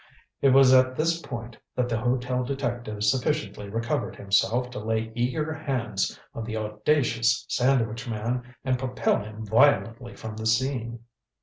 It was at this point that the hotel detective sufficiently recovered himself to lay eager hands on the audacious sandwich man and propel him violently from the scene.